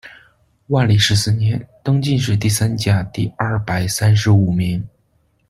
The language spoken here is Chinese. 万历十四年，登进士第三甲第二百三十五名。